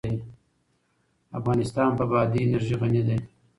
افغانستان په بادي انرژي غني دی.